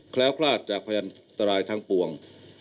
ล้วคลาดจากพยานตรายทั้งปวง